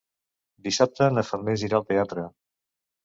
Dissabte na Farners irà al teatre.